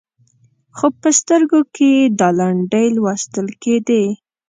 خو په سترګو کې یې دا لنډۍ لوستل کېدې.